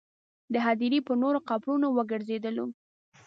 د هدیرې پر نورو قبرونو وګرځېدلو.